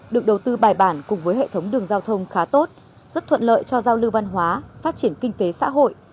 được đầu tư bài bản cùng với hệ thống đường giao thông khá tốt rất thuận lợi cho giao lưu văn hóa phát triển kinh tế xã hội